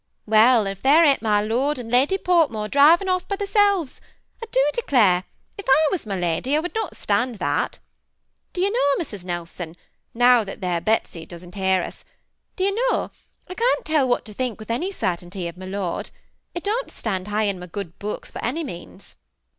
" Well, and if there ain't my lord and Lady Port* more driving off by thoirselves ! I do declare, if I was my lady I would not stand that. Do you know Mrs. Nelson, now that there Betsy don't hear us, — do you know, I can't tell what to think with any cer^ tainty of my lord. He d(m't stand high in my good books by any means."